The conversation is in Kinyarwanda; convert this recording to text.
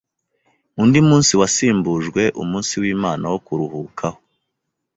Undi munsi wasimbujwe umunsi w’Imana wo kuruhukaho.